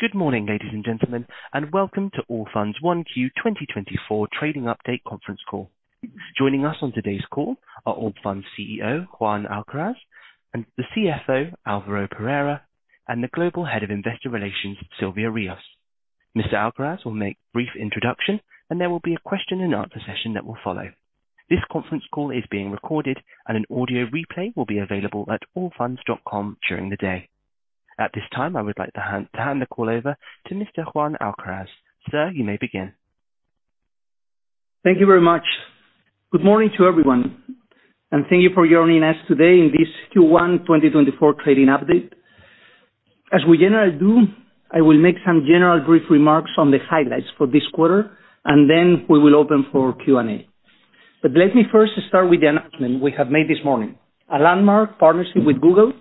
Good morning, ladies and gentlemen, and welcome to Allfunds 1Q 2024 Trading Update Conference Call. Joining us on today's call are Allfunds CEO Juan Alcaraz, and the CFO Álvaro Perera, and the Global Head of Investor Relations Silvia Rios. Mr. Alcaraz will make a brief introduction, and there will be a question-and-answer session that will follow. This conference call is being recorded, and an audio replay will be available at allfunds.com during the day. At this time, I would like to hand the call over to Mr. Juan Alcaraz. Sir, you may begin. Thank you very much. Good morning to everyone, and thank you for joining us today in this Q1 2024 Trading Update. As we generally do, I will make some general brief remarks on the highlights for this quarter, and then we will open for Q&A. Let me first start with the announcement we have made this morning: a landmark partnership with Google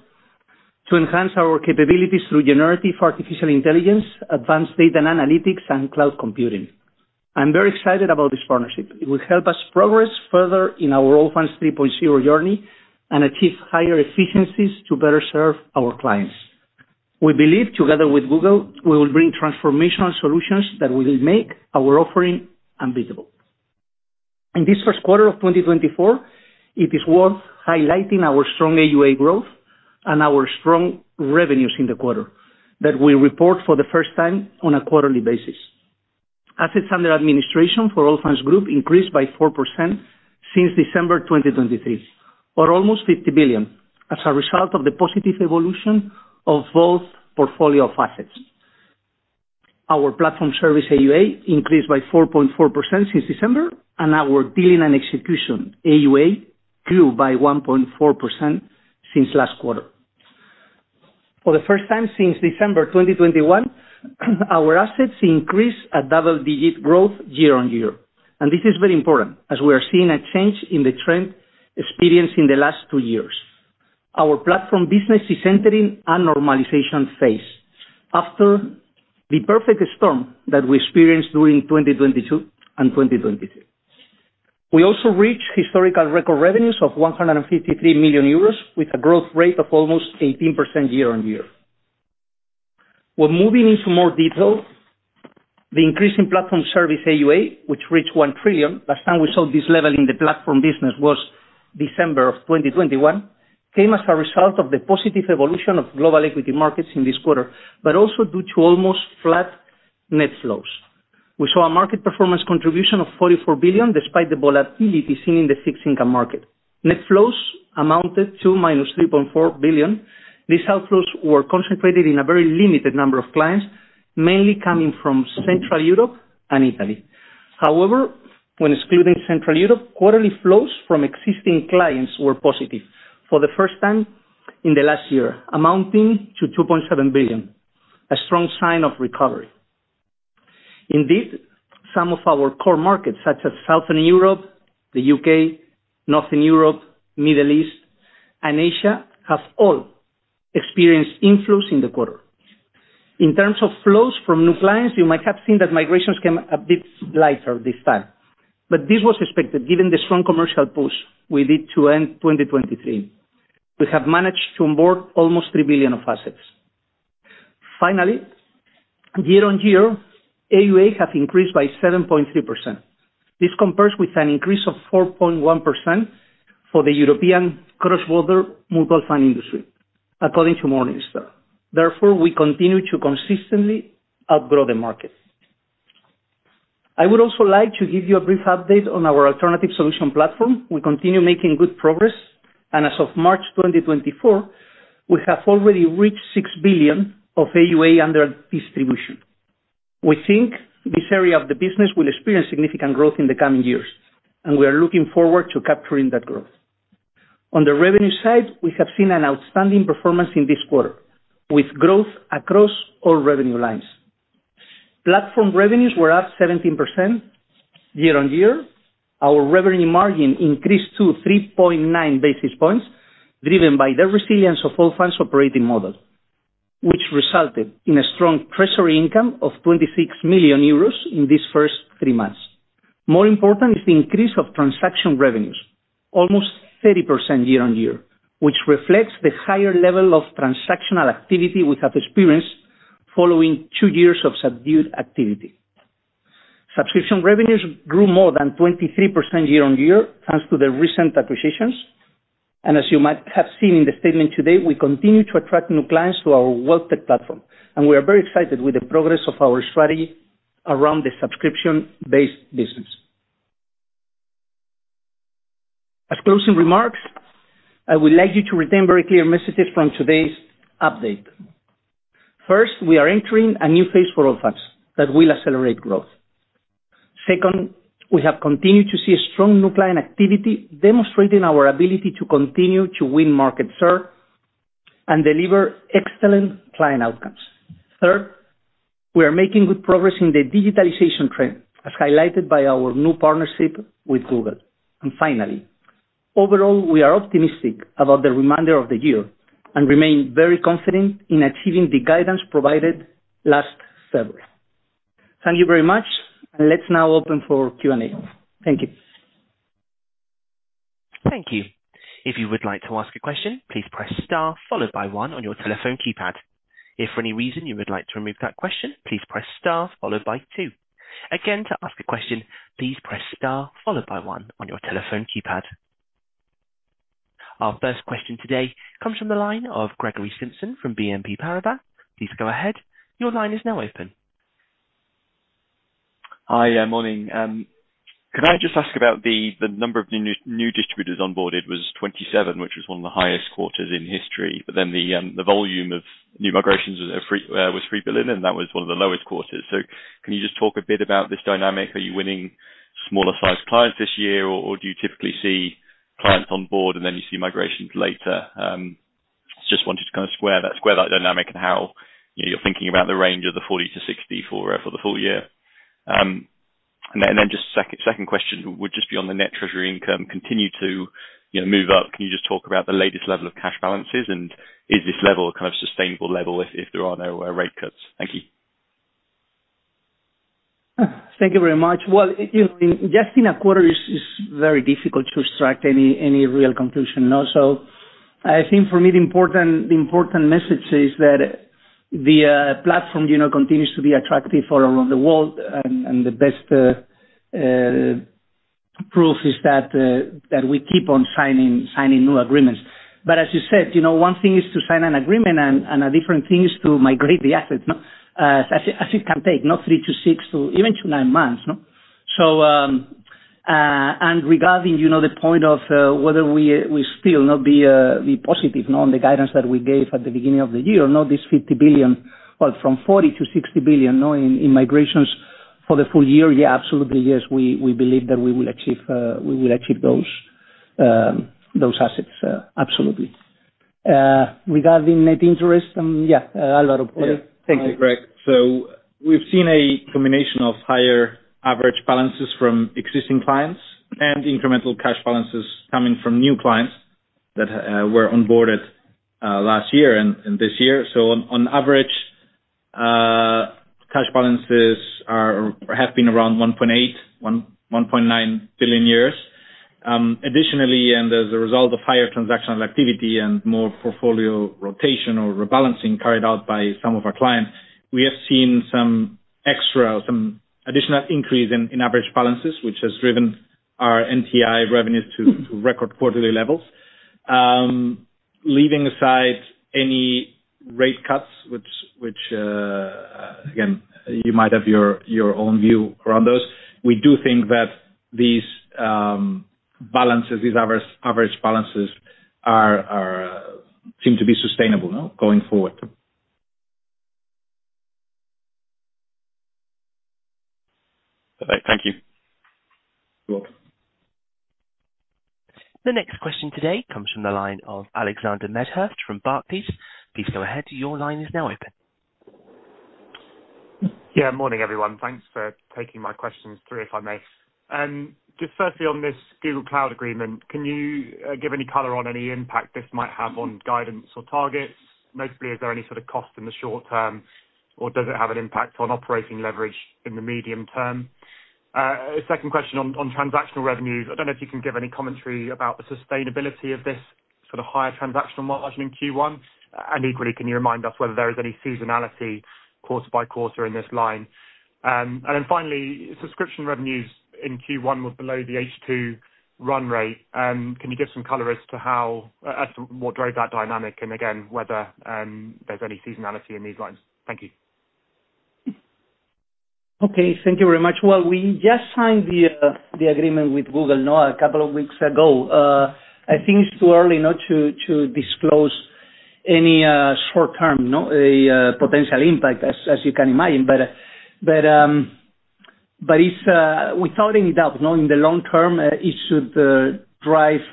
to enhance our capabilities through generative artificial intelligence, advanced data analytics, and cloud computing. I'm very excited about this partnership. It will help us progress further in our Allfunds 3.0 journey and achieve higher efficiencies to better serve our clients. We believe, together with Google, we will bring transformational solutions that will make our offering unbeatable. In this first quarter of 2024, it is worth highlighting our strong AUA growth and our strong revenues in the quarter that we report for the first time on a quarterly basis. Assets under administration for Allfunds Group increased by 4% since December 2023, or almost 50 billion, as a result of the positive evolution of both portfolio assets. Our platform service AUA increased by 4.4% since December, and our dealing and execution AUA grew by 1.4% since last quarter. For the first time since December 2021, our assets increased a double-digit growth year-on-year, and this is very important as we are seeing a change in the trend experienced in the last two years. Our platform business is entering a normalization phase after the perfect storm that we experienced during 2022 and 2023. We also reached historical record revenues of 153 million euros with a growth rate of almost 18% year-on-year. When moving into more detail, the increase in platform service AUA, which reached 1 trillion last time we saw this level in the platform business was December of 2021, came as a result of the positive evolution of global equity markets in this quarter, but also due to almost flat net flows. We saw a market performance contribution of EUR 44 billion despite the volatility seen in the fixed income market. Net flows amounted to -EUR 3.4 billion. These outflows were concentrated in a very limited number of clients, mainly coming from Central Europe and Italy. However, when excluding Central Europe, quarterly flows from existing clients were positive for the first time in the last year, amounting to 2.7 billion, a strong sign of recovery. Indeed, some of our core markets, such as Southern Europe, the UK, Northern Europe, Middle East, and Asia, have all experienced inflows in the quarter. In terms of flows from new clients, you might have seen that migrations came a bit lighter this time, but this was expected given the strong commercial push we did to end 2023. We have managed to onboard almost 3 billion of assets. Finally, year-on-year, AUA have increased by 7.3%. This compares with an increase of 4.1% for the European cross-border mutual fund industry, according to Morningstar. Therefore, we continue to consistently outgrow the market. I would also like to give you a brief update on our alternative solution platform. We continue making good progress, and as of March 2024, we have already reached 6 billion of AUA under distribution. We think this area of the business will experience significant growth in the coming years, and we are looking forward to capturing that growth. On the revenue side, we have seen an outstanding performance in this quarter with growth across all revenue lines. Platform revenues were up 17% year-on-year. Our revenue margin increased to 3.9 basis points, driven by the resilience of Allfunds' operating model, which resulted in a strong treasury income of 26 million euros in these first three months. More important is the increase of transaction revenues, almost 30% year-on-year, which reflects the higher level of transactional activity we have experienced following two years of subdued activity. Subscription revenues grew more than 23% year-on-year thanks to the recent acquisitions. As you might have seen in the statement today, we continue to attract new clients to our WealthTech platform, and we are very excited with the progress of our strategy around the subscription-based business. As closing remarks, I would like you to retain very clear messages from today's update. First, we are entering a new phase for Allfunds that will accelerate growth. Second, we have continued to see strong new client activity demonstrating our ability to continue to win market share and deliver excellent client outcomes. Third, we are making good progress in the digitalization trend as highlighted by our new partnership with Google. And finally, overall, we are optimistic about the remainder of the year and remain very confident in achieving the guidance provided last February. Thank you very much. Let's now open for Q&A. Thank you. Thank you. If you would like to ask a question, please press star followed by one on your telephone keypad. If for any reason you would like to remove that question, please press star followed by two. Again, to ask a question, please press star followed by one on your telephone keypad. Our first question today comes from the line of Gregory Simpson from BNP Paribas. Please go ahead. Your line is now open. Hi. Morning. Could I just ask about the number of new distributors onboarded? It was 27, which was one of the highest quarters in history. But then the volume of new migrations was 3 billion, and that was one of the lowest quarters. So can you just talk a bit about this dynamic? Are you winning smaller-sized clients this year, or do you typically see clients onboard and then you see migrations later? Just wanted to kind of square that dynamic and how you're thinking about the range of the 40-60 for the full year. And then just second question would just be on the net treasury income continue to move up. Can you just talk about the latest level of cash balances, and is this level a kind of sustainable level if there are no rate cuts? Thank you. Thank you very much. Well, just in a quarter, it's very difficult to extract any real conclusion, no? So I think for me, the important message is that the platform continues to be attractive all around the world, and the best proof is that we keep on signing new agreements. But as you said, one thing is to sign an agreement, and a different thing is to migrate the assets, no? As it can take, no? three to six even to nine months, no? And regarding the point of whether we still not be positive on the guidance that we gave at the beginning of the year, no? This 50 billion well, from 40 billion-60 billion in migrations for the full year, yeah, absolutely, yes, we believe that we will achieve those assets. Absolutely. Regarding net interest, yeah, Álvaro Perera. Yeah. Thank you, Greg. So we've seen a combination of higher average balances from existing clients and incremental cash balances coming from new clients that were onboarded last year and this year. So on average, cash balances have been around 1.8 billion-1.9 billion. Additionally, and as a result of higher transactional activity and more portfolio rotation or rebalancing carried out by some of our clients, we have seen some extra or some additional increase in average balances, which has driven our NTI revenues to record quarterly levels. Leaving aside any rate cuts, which again, you might have your own view around those, we do think that these balances, these average balances, seem to be sustainable going forward. Perfect. Thank you. You're welcome. The next question today comes from the line of Alexander Medhurst from Barclays. Please go ahead. Your line is now open. Yeah. Morning, everyone. Thanks for taking my questions through, if I may. Just firstly, on this Google Cloud agreement, can you give any color on any impact this might have on guidance or targets? Notably, is there any sort of cost in the short term, or does it have an impact on operating leverage in the medium term? Second question on transactional revenues. I don't know if you can give any commentary about the sustainability of this sort of higher transactional margin in Q1. And equally, can you remind us whether there is any seasonality quarter by quarter in this line? And then finally, subscription revenues in Q1 were below the H2 run rate. Can you give some color as to what drove that dynamic and, again, whether there's any seasonality in these lines? Thank you. Okay. Thank you very much. Well, we just signed the agreement with Google a couple of weeks ago. I think it's too early to disclose any short-term potential impact, as you can imagine. But without any doubt, in the long term, it should drive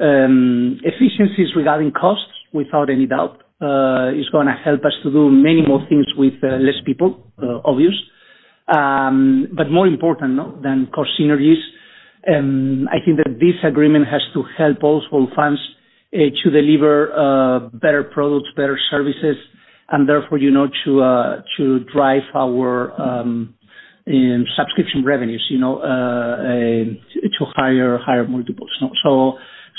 efficiencies regarding costs, without any doubt. It's going to help us to do many more things with less people, obvious, but more important than cost synergies. I think that this agreement has to help us, Allfunds, to deliver better products, better services, and therefore to drive our subscription revenues to higher multiples.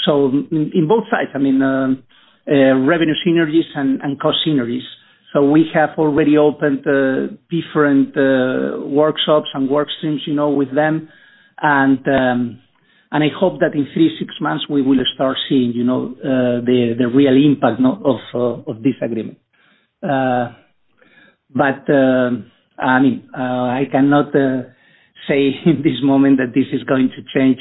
So in both sides, I mean, revenue synergies and cost synergies. So we have already opened different workshops and workstreams with them, and I hope that in three to six months, we will start seeing the real impact of this agreement. But I mean, I cannot say in this moment that this is going to change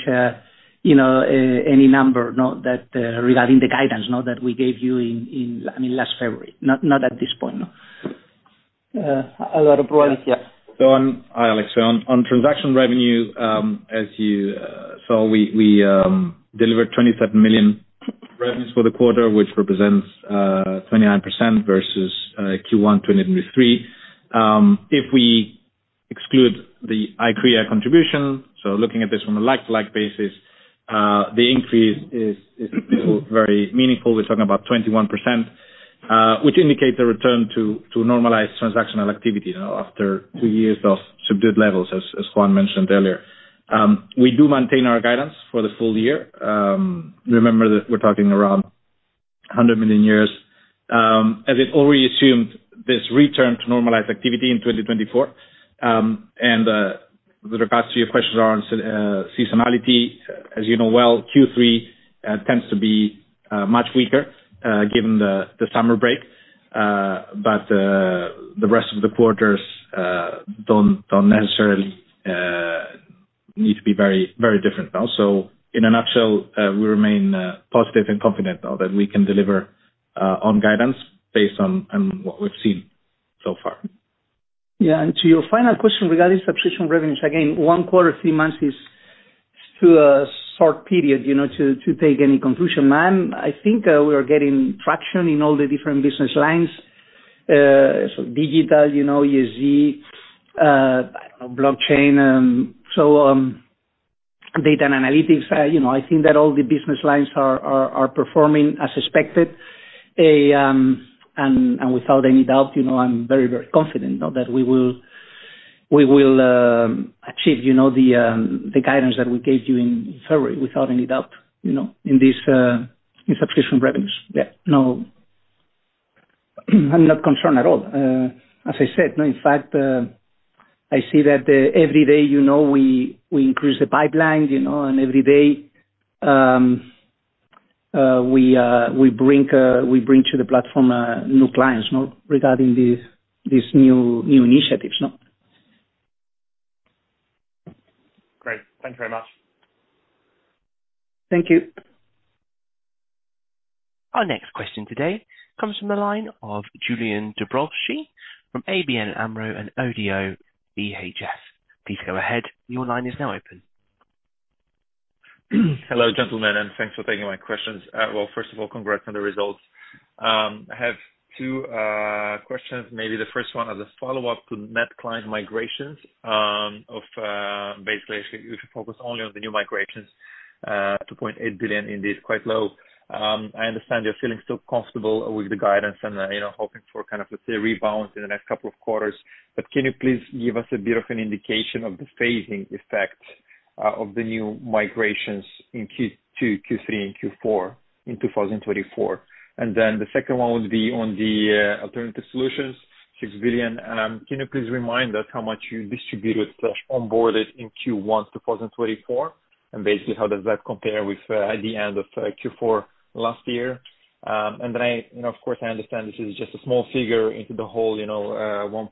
any number regarding the guidance that we gave you in, I mean, last February, not at this point, no? Álvaro Perera, yes. Go on, Alex. So on transaction revenue, as you saw, we delivered 27 million revenues for the quarter, which represents 29% versus Q1 2023. If we exclude the Iccrea contribution, so looking at this on a like-for-like basis, the increase is still very meaningful. We're talking about 21%, which indicates a return to normalized transactional activity after two years of subdued levels, as Juan mentioned earlier. We do maintain our guidance for the full year. Remember that we're talking around 100 million. As it already assumed, this return to normalized activity in 2024. And with regards to your question around seasonality, as you know well, Q3 tends to be much weaker given the summer break, but the rest of the quarters don't necessarily need to be very different, no? In a nutshell, we remain positive and confident that we can deliver on guidance based on what we've seen so far. Yeah. And to your final question regarding subscription revenues, again, one quarter, three months is still a short period to take any conclusion. I think we are getting traction in all the different business lines, so digital, ESG, blockchain, so data and analytics. I think that all the business lines are performing as expected. And without any doubt, I'm very, very confident that we will achieve the guidance that we gave you in February without any doubt in subscription revenues. Yeah. I'm not concerned at all. As I said, in fact, I see that every day, we increase the pipeline, and every day, we bring to the platform new clients regarding these new initiatives, no? Great. Thank you very much. Thank you. Our next question today comes from the line of Iulian Dobrovolschi from ABN AMRO and ODDO BHF. Please go ahead. Your line is now open. Hello, gentlemen, and thanks for taking my questions. Well, first of all, congrats on the results. I have two questions. Maybe the first one as a follow-up to net client migrations of basically, if you focus only on the new migrations, 2.8 billion indeed is quite low. I understand you're feeling still comfortable with the guidance and hoping for kind of, let's say, a rebound in the next couple of quarters. But can you please give us a bit of an indication of the phasing effect of the new migrations in Q2, Q3, and Q4 in 2024? And then the second one would be on the alternative solutions, 6 billion. Can you please remind us how much you distributed/onboarded in Q1, 2024, and basically, how does that compare with the end of Q4 last year? Then, of course, I understand this is just a small figure into the whole 1.4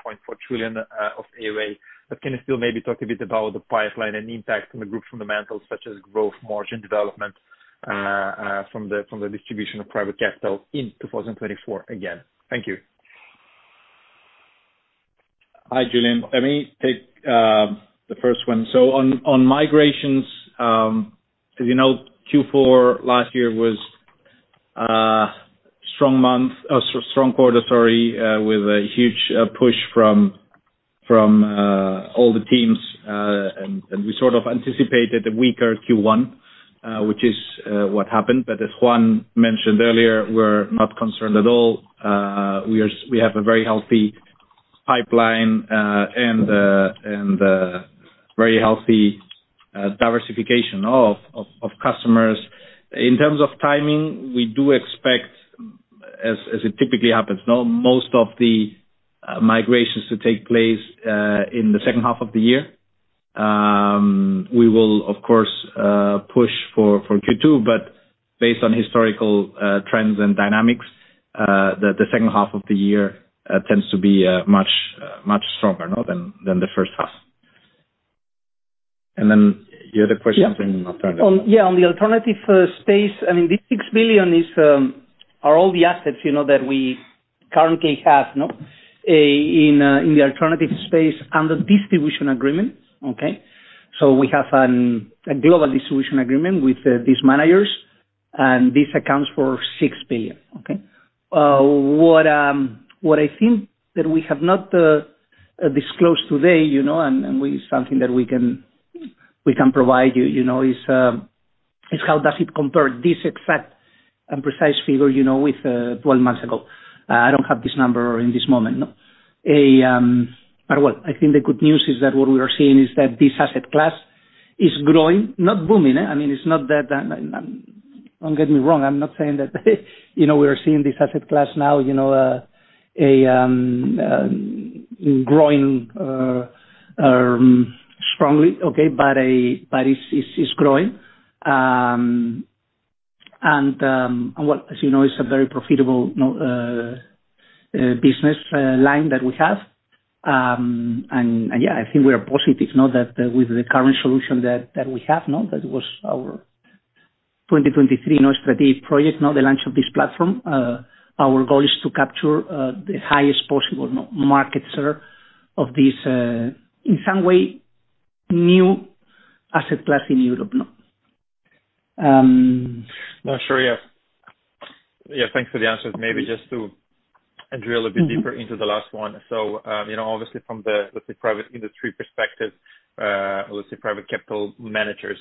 trillion of AUA. But can you still maybe talk a bit about the pipeline and impact on the group fundamentals such as growth, margin development from the distribution of private capital in 2024 again? Thank you. Hi, Julian. Let me take the first one. So on migrations, as you know, Q4 last year was a strong month or strong quarter, sorry, with a huge push from all the teams. And we sort of anticipated a weaker Q1, which is what happened. But as Juan mentioned earlier, we're not concerned at all. We have a very healthy pipeline and very healthy diversification of customers. In terms of timing, we do expect, as it typically happens, most of the migrations to take place in the second half of the year. We will, of course, push for Q2, but based on historical trends and dynamics, the second half of the year tends to be much stronger than the first half. And then your other questions, and I'll turn it. Yeah. On the alternative space, I mean, these 6 billion are all the assets that we currently have in the alternative space under distribution agreement, okay? So we have a global distribution agreement with these managers, and this accounts for 6 billion, okay? What I think that we have not disclosed today, and it's something that we can provide you, is how does it compare this exact and precise figure with 12 months ago? I don't have this number in this moment, no? But well, I think the good news is that what we are seeing is that this asset class is growing, not booming, I mean, it's not that don't get me wrong. I'm not saying that we are seeing this asset class now growing strongly, okay? But it's growing. And well, as you know, it's a very profitable business line that we have. And yeah, I think we are positive that with the current solution that we have, that was our 2023 strategic project, the launch of this platform, our goal is to capture the highest possible market share of this, in some way, new asset class in Europe, no? No, sure. Yeah. Yeah. Thanks for the answers. Maybe just to drill a bit deeper into the last one. So obviously, from the, let's say, private industry perspective, let's say, private capital managers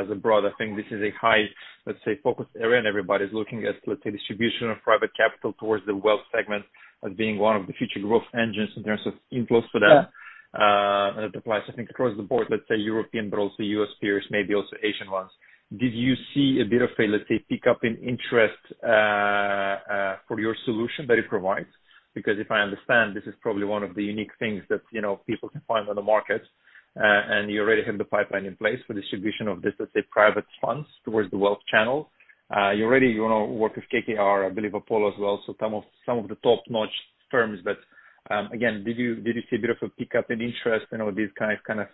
as a broad, I think this is a high, let's say, focus area, and everybody's looking at, let's say, distribution of private capital towards the wealth segment as being one of the future growth engines in terms of inflows to them. And that applies, I think, across the board, let's say, European but also US peers, maybe also Asian ones. Did you see a bit of a, let's say, pickup in interest for your solution that it provides? Because if I understand, this is probably one of the unique things that people can find on the market, and you already have the pipeline in place for distribution of this, let's say, private funds towards the wealth channel. You already work with KKR, I believe, Apollo as well, so some of the top-notch firms. But again, did you see a bit of a pickup in interest, these guys kind of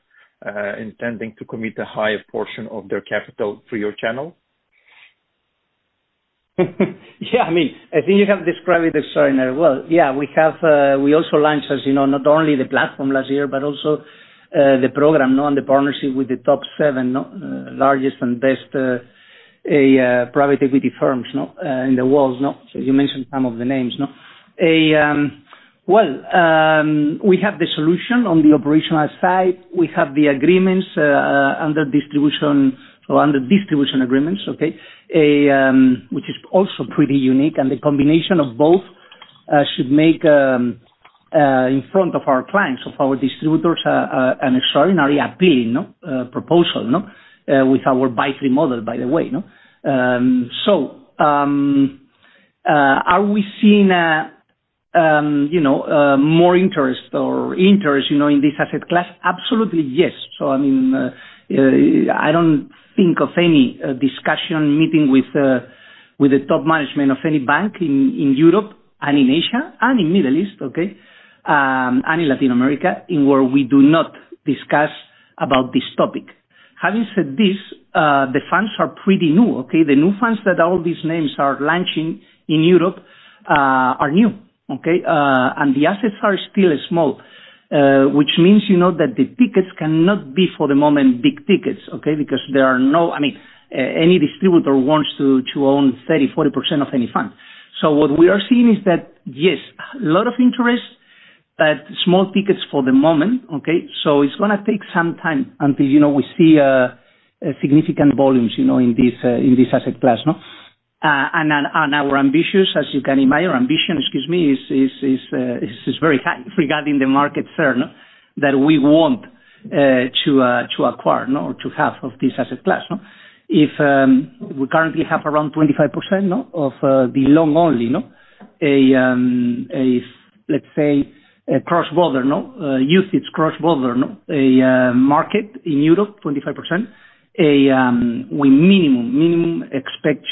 intending to commit a higher portion of their capital through your channel? Yeah. I mean, I think you have described it extraordinarily well. Yeah. We also launched, as you know, not only the platform last year but also the program and the partnership with the top seven largest and best private equity firms in the world, no? So you mentioned some of the names, no? Well, we have the solution on the operational side. We have the agreements under distribution or under distribution agreements, okay, which is also pretty unique. And the combination of both should make, in front of our clients, of our distributors, an extraordinary appealing proposal with our Buy3 model, by the way, no? So are we seeing more interest or interest in this asset class? Absolutely, yes. So I mean, I don't think of any discussion meeting with the top management of any bank in Europe and in Asia and in the Middle East, okay, and in Latin America where we do not discuss about this topic. Having said this, the funds are pretty new, okay? The new funds that all these names are launching in Europe are new, okay? And the assets are still small, which means that the tickets cannot be, for the moment, big tickets, okay? Because there are no—I mean, any distributor wants to own 30%-40% of any fund. So what we are seeing is that, yes, a lot of interest, but small tickets for the moment, okay? So it's going to take some time until we see significant volumes in this asset class, no? Our ambitions, as you can imagine, our ambition, excuse me, is very high regarding the market share that we want to acquire or to have of this asset class, no? We currently have around 25% of the long-only, let's say, cross-border, no? UCITS cross-border market in Europe, 25%. We, minimum, minimum, expect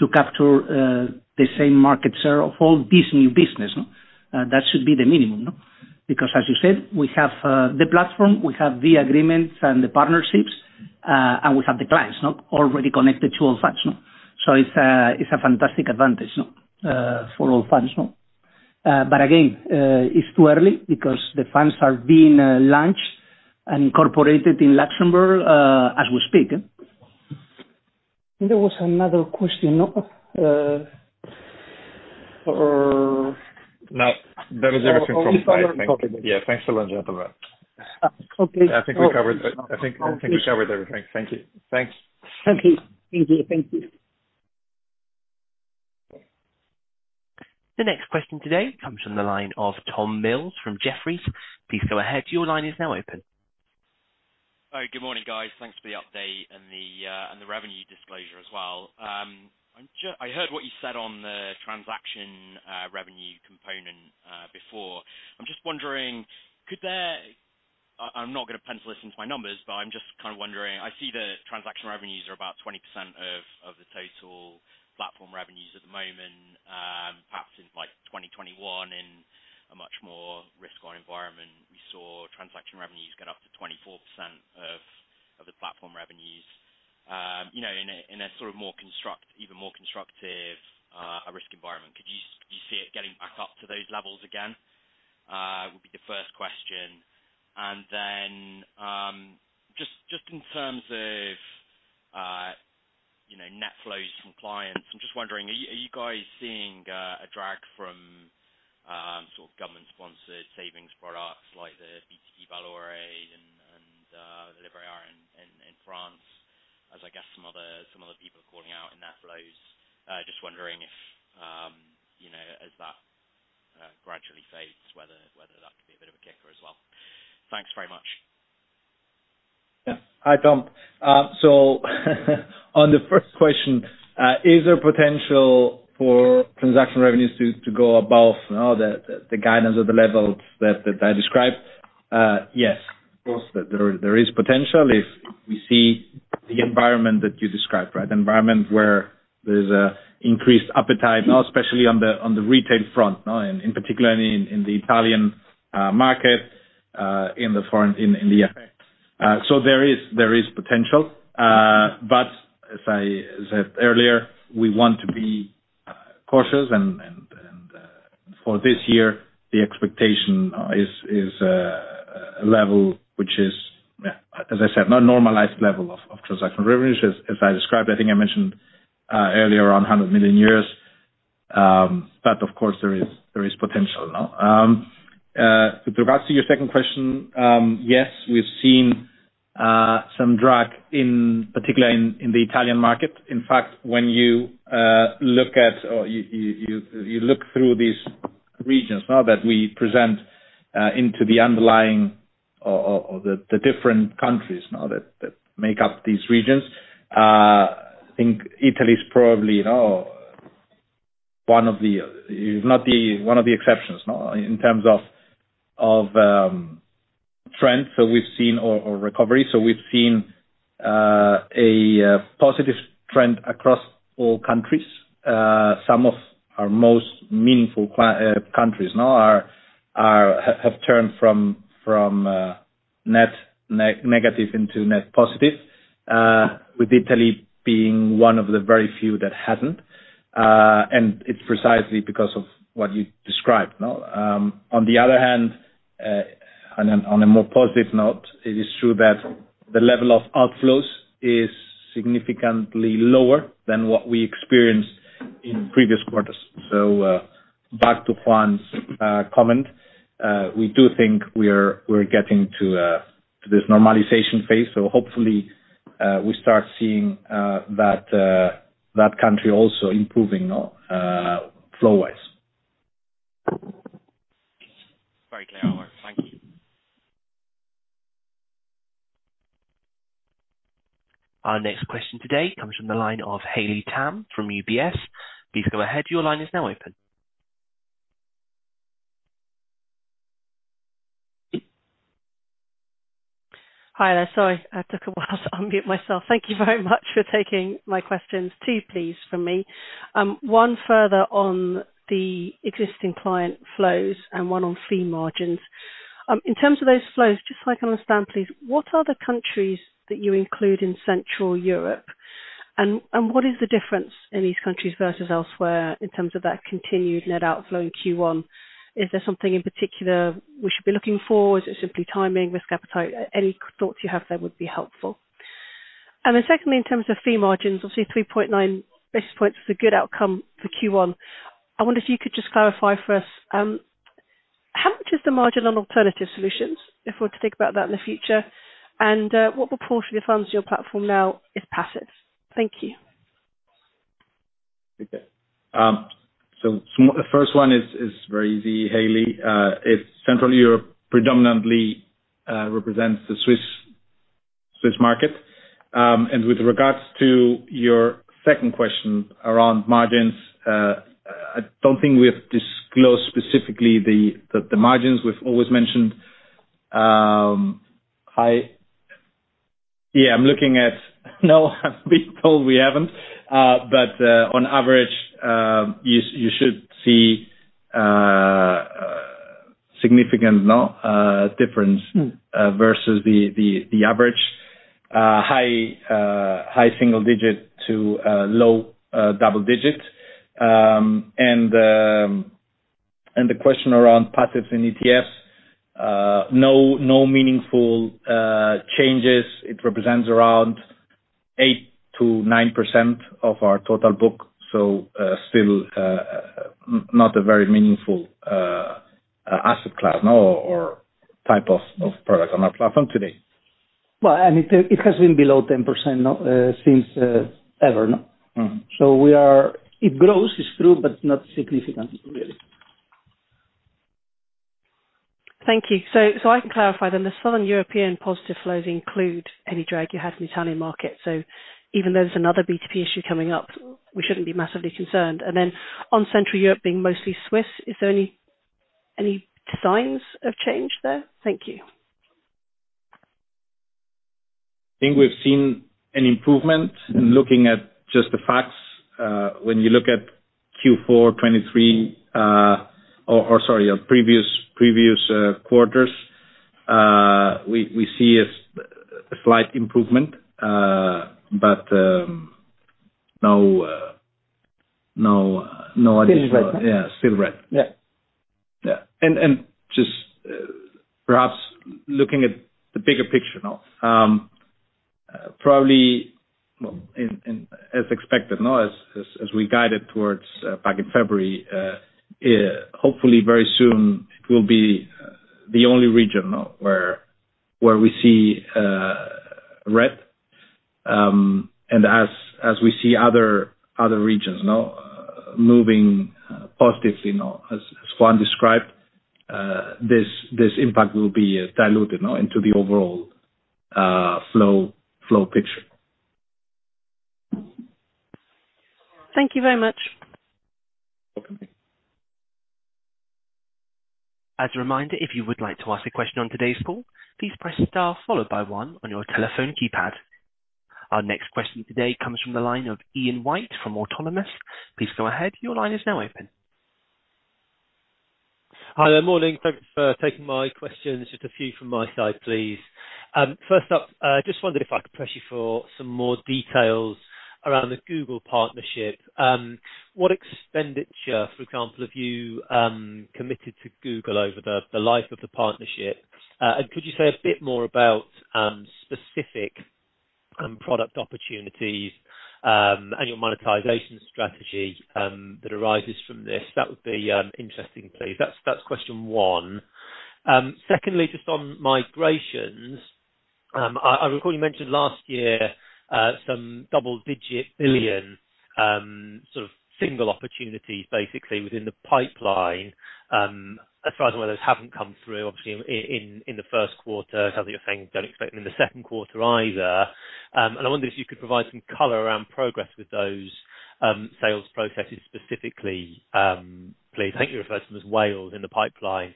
to capture the same market share of all this new business, no? That should be the minimum, no? Because, as you said, we have the platform, we have the agreements and the partnerships, and we have the clients already connected to Allfunds, no? So it's a fantastic advantage for Allfunds, no? But again, it's too early because the funds are being launched and incorporated in Luxembourg as we speak. There was another question, no? No. That was everything from me. Thank you. Yeah. Thanks a lot, gentlemen. I think we covered everything. Thank you. Thanks. Okay. Thank you. Thank you. The next question today comes from the line of Tom Mills from Jefferies. Please go ahead. Your line is now open. Hi. Good morning, guys. Thanks for the update and the revenue disclosure as well. I heard what you said on the transaction revenue component before. I'm just wondering. I'm not going to pencil this into my numbers, but I'm just kind of wondering. I see the transaction revenues are about 20% of the total platform revenues at the moment, perhaps in 2021, in a much more risk-on environment. We saw transaction revenues get up to 24% of the platform revenues in a sort of even more constructive risk environment. Could you see it getting back up to those levels again? Would be the first question. Then just in terms of net flows from clients, I'm just wondering, are you guys seeing a drag from sort of government-sponsored savings products like the BTP Valore and Livret A in France, as I guess some other people are calling out in net flows? Just wondering if, as that gradually fades, whether that could be a bit of a kicker as well. Thanks very much. Yeah. Hi, Tom. So on the first question, is there potential for transaction revenues to go above the guidance or the levels that I described? Yes. Of course, there is potential if we see the environment that you described, right? The environment where there's an increased appetite, especially on the retail front, in particular, in the Italian market, in the foreign, in the US. So there is potential. But as I said earlier, we want to be cautious. And for this year, the expectation is a level which is, as I said, not a normalized level of transaction revenues, as I described. I think I mentioned earlier around 100 million. But of course, there is potential, no? With regards to your second question, yes, we've seen some drag, in particular, in the Italian market. In fact, when you look at or you look through these regions that we present into the underlying or the different countries that make up these regions, I think Italy's probably one of the if not one of the exceptions, no? In terms of trends, so we've seen a recovery. So we've seen a positive trend across all countries. Some of our most meaningful countries have turned from net negative into net positive, with Italy being one of the very few that hasn't. And it's precisely because of what you described, no? On the other hand, on a more positive note, it is true that the level of outflows is significantly lower than what we experienced in previous quarters. So back to Juan's comment, we do think we're getting to this normalization phase. So hopefully, we start seeing that country also improving flow-wise. Very clear, Álvaro. Thank you. Our next question today comes from the line of Hayley Tam from UBS. Please go ahead. Your line is now open. Hi, there. Sorry. I took a while to unmute myself. Thank you very much for taking my questions too, please, from me. One further on the existing client flows and one on fee margins. In terms of those flows, just so I can understand, please, what are the countries that you include in Central Europe? And what is the difference in these countries versus elsewhere in terms of that continued net outflow in Q1? Is there something in particular we should be looking for? Is it simply timing, risk appetite? Any thoughts you have there would be helpful. And then secondly, in terms of fee margins, obviously, 3.9 basis points was a good outcome for Q1. I wonder if you could just clarify for us, how much is the margin on alternative solutions if we're to think about that in the future? What proportion of the funds in your platform now is passive? Thank you. Okay. So the first one is very easy, Hayley. Central Europe predominantly represents the Swiss market. And with regards to your second question around margins, I don't think we've disclosed specifically the margins. We've always mentioned high. I've been told we haven't. But on average, you should see significant difference versus the average high single-digit to low double-digit. And the question around passives in ETFs, no meaningful changes. It represents around 8%-9% of our total book, so still not a very meaningful asset class or type of product on our platform today. Well, and it has been below 10% since ever, no? So it grows, it's true, but not significantly, really. Thank you. So I can clarify then. The Southern European positive flows include any drag you had from the Italian market. So even though there's another BTP issue coming up, we shouldn't be massively concerned. And then on Central Europe being mostly Swiss, is there any signs of change there? Thank you. I think we've seen an improvement. Looking at just the facts, when you look at Q4 2023, or sorry, previous quarters, we see a slight improvement. No additional yeah, still red. Yeah. Yeah. Yeah. Just perhaps looking at the bigger picture, probably, well, as expected, as we guided towards back in February, hopefully, very soon, it will be the only region where we see red. And as we see other regions moving positively, as Juan described, this impact will be diluted into the overall flow picture. Thank you very much. Welcome. As a reminder, if you would like to ask a question on today's call, please press star followed by one on your telephone keypad. Our next question today comes from the line of Ian White from Autonomous. Please go ahead. Your line is now open. Hi. Good morning. Thanks for taking my questions. Just a few from my side, please. First up, I just wondered if I could press you for some more details around the Google partnership. What expenditure, for example, have you committed to Google over the life of the partnership? And could you say a bit more about specific product opportunities and your monetization strategy that arises from this? That would be interesting, please. That's question one. Secondly, just on migrations, I recall you mentioned last year some double-digit billion sort of single opportunities, basically, within the pipeline. As far as I know, those haven't come through, obviously, in the first quarter. It sounds like you're saying don't expect them in the second quarter either. And I wondered if you could provide some color around progress with those sales processes specifically, please. I think you referred to them as whales in the pipeline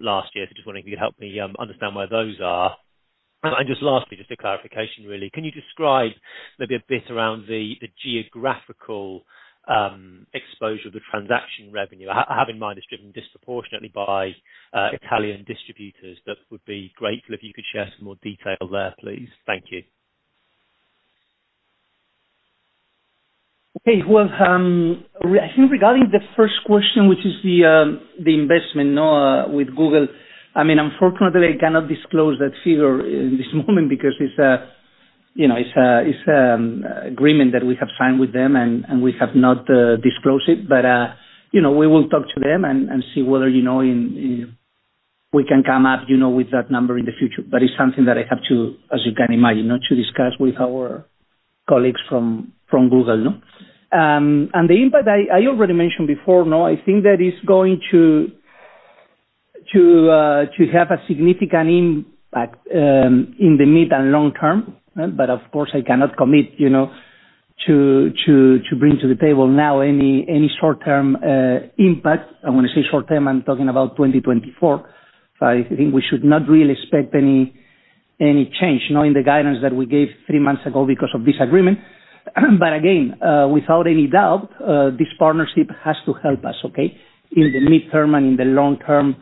last year. So just wondering if you could help me understand where those are. And just lastly, just a clarification, really, can you describe maybe a bit around the geographical exposure of the transaction revenue, having in mind it's driven disproportionately by Italian distributors that would be grateful if you could share some more detail there, please? Thank you. Okay. Well, I think regarding the first question, which is the investment with Google, I mean, unfortunately, I cannot disclose that figure in this moment because it's an agreement that we have signed with them, and we have not disclosed it. But we will talk to them and see whether we can come up with that number in the future. But it's something that I have to, as you can imagine, to discuss with our colleagues from Google, no? And the impact, I already mentioned before, no? I think that it's going to have a significant impact in the mid and long term. But of course, I cannot commit to bring to the table now any short-term impact. I want to say short-term. I'm talking about 2024. So I think we should not really expect any change in the guidance that we gave three months ago because of this agreement. But again, without any doubt, this partnership has to help us, okay, in the mid-term and in the long-term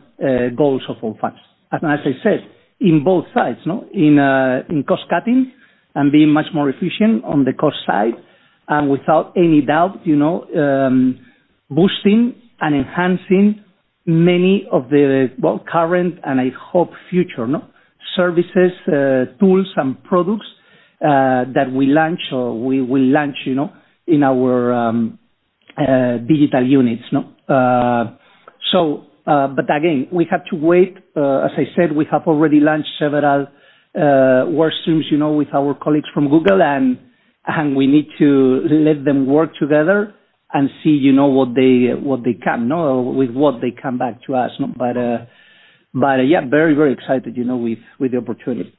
goals of Allfunds. And as I said, in both sides, no? In cost-cutting and being much more efficient on the cost side. And without any doubt, boosting and enhancing many of the, well, current and I hope future, no? Services, tools, and products that we launch or we will launch in our digital units, no? But again, we have to wait. As I said, we have already launched several workstreams with our colleagues from Google, and we need to let them work together and see what they can with what they come back to us, no? But yeah, very, very excited with the opportunity.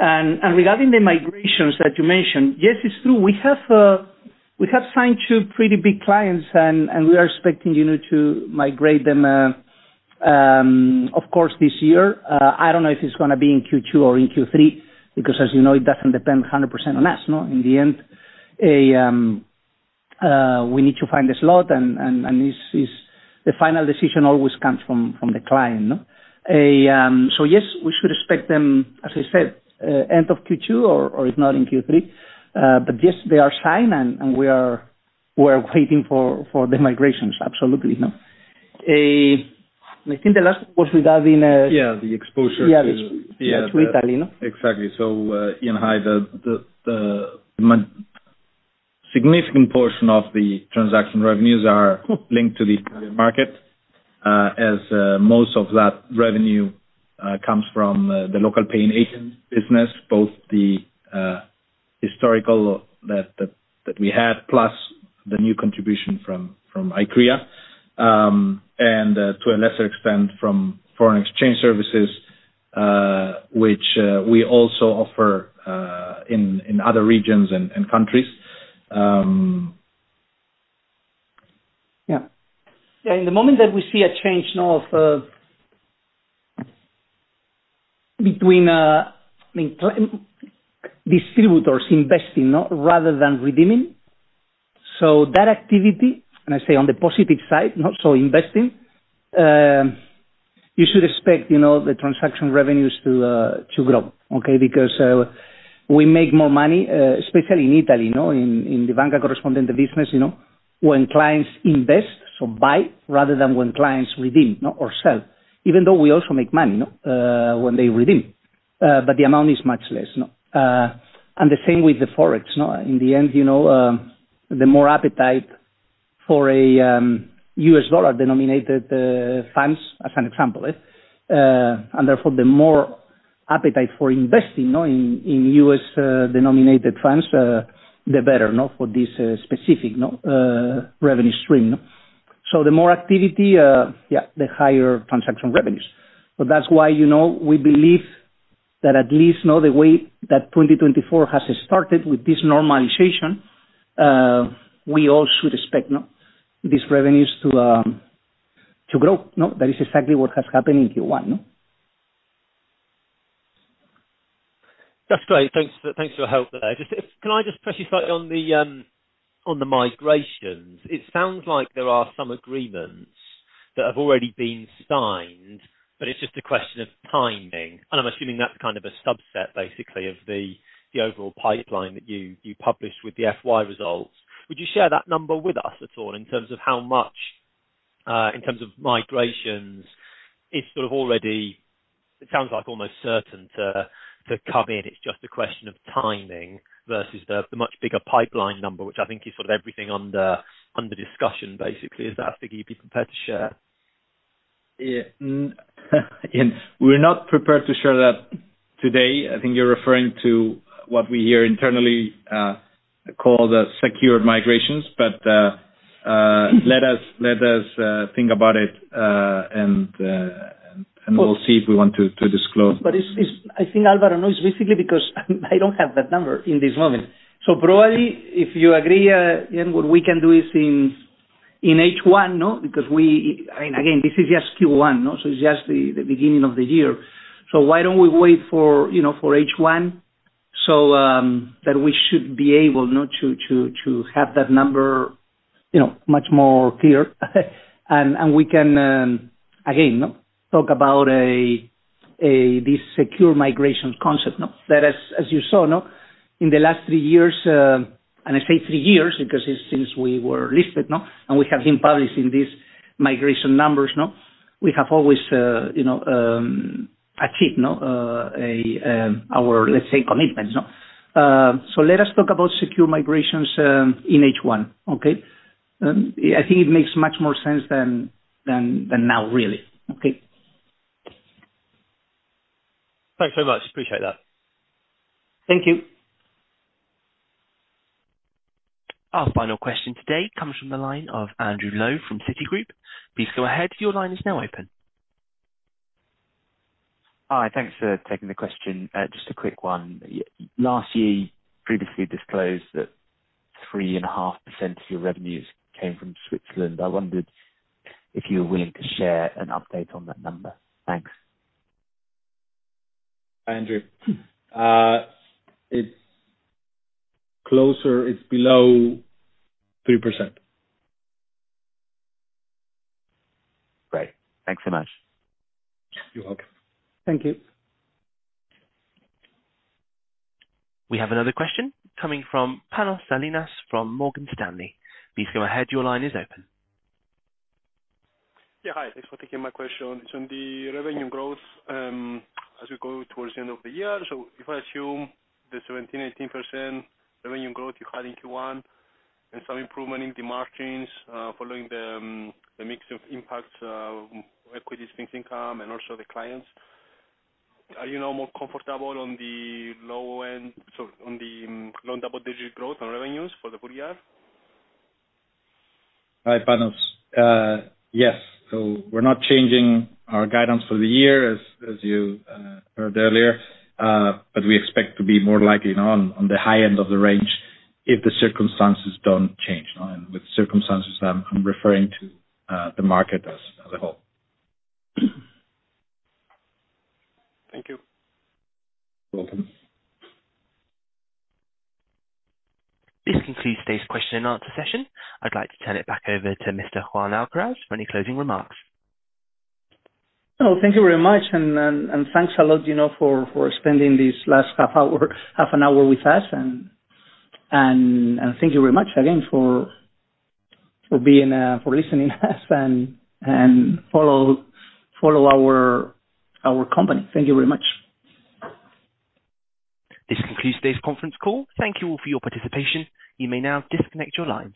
And regarding the migrations that you mentioned, yes, it's true. We have signed two pretty big clients, and we are expecting to migrate them, of course, this year. I don't know if it's going to be in Q2 or in Q3 because, as you know, it doesn't depend 100% on us, no? In the end, we need to find a slot, and the final decision always comes from the client, no? So yes, we should expect them, as I said, end of Q2 or if not in Q3. But yes, they are signed, and we are waiting for the migrations, absolutely, no? And I think the last one was regarding the. Yeah, the exposure to. Yeah, to Italy, no? Exactly. So Ian, hi, the significant portion of the transaction revenues are linked to the Italian market, as most of that revenue comes from the local paying agent business, both the historical that we had plus the new contribution from Iccrea and, to a lesser extent, from foreign exchange services, which we also offer in other regions and countries. Yeah. Yeah. In the moment that we see a change between distributors investing rather than redeeming, so that activity - and I say on the positive side, not so investing - you should expect the transaction revenues to grow, okay, because we make more money, especially in Italy, in the Banca Corrispondente business, when clients invest, so buy, rather than when clients redeem or sell, even though we also make money when they redeem. But the amount is much less, no? And the same with the forex, no? In the end, the more appetite for a U.S. dollar-denominated funds, as an example, and therefore, the more appetite for investing in U.S.-denominated funds, the better for this specific revenue stream, no? So the more activity, yeah, the higher transaction revenues. So that's why we believe that at least the way that 2024 has started with this normalization, we all should expect these revenues to grow. That is exactly what has happened in Q1, no? That's great. Thanks for your help there. Can I just press you slightly on the migrations? It sounds like there are some agreements that have already been signed, but it's just a question of timing. And I'm assuming that's kind of a subset, basically, of the overall pipeline that you publish with the FY results. Would you share that number with us at all in terms of how much, in terms of migrations, is sort of already it sounds like almost certain to come in. It's just a question of timing versus the much bigger pipeline number, which I think is sort of everything under discussion, basically. Is that a figure you'd be prepared to share? Yeah. Ian, we're not prepared to share that today. I think you're referring to what we here internally call the secured migrations. But let us think about it, and we'll see if we want to disclose. But I think, Álvaro, no, it's basically because I don't have that number at this moment. So probably, if you agree, Ian, what we can do is in H1, no? Because I mean, again, this is just Q1, no? So it's just the beginning of the year. So why don't we wait for H1 so that we should be able to have that number much more clear? And we can, again, talk about this secure migrations concept, no? That, as you saw, in the last three years and I say three years because it's since we were listed, no? And we have been publishing these migration numbers, no? We have always achieved our, let's say, commitments, no? So let us talk about secure migrations in H1, okay? I think it makes much more sense than now, really, okay? Thanks very much. Appreciate that. Thank you. Our final question today comes from the line of Andrew Lowe from Citigroup. Please go ahead. Your line is now open. Hi. Thanks for taking the question. Just a quick one. Last year, previously disclosed that 3.5% of your revenues came from Switzerland. I wondered if you were willing to share an update on that number. Thanks. Hi, Andrew. It's below 3%. Great. Thanks so much. You're welcome. Thank you. We have another question coming from Panos Ellinas from Morgan Stanley. Please go ahead. Your line is open. Yeah. Hi. Thanks for taking my question. It's on the revenue growth as we go towards the end of the year. So if I assume the 17%-18% revenue growth you had in Q1 and some improvement in the margins following the mix of impacts, equities, fixed income, and also the clients, are you now more comfortable on the low end so on the low double-digit growth on revenues for the full year? Hi, Panos. Yes. So we're not changing our guidance for the year, as you heard earlier, but we expect to be more likely on the high end of the range if the circumstances don't change, no? And with circumstances, I'm referring to the market as a whole. Thank you. You're welcome. This concludes today's question and answer session. I'd like to turn it back over to Mr. Juan Alcaraz for any closing remarks. Oh, thank you very much. Thanks a lot for spending this last half an hour with us. Thank you very much again for listening to us and follow our company. Thank you very much. This concludes today's conference call. Thank you all for your participation. You may now disconnect your lines.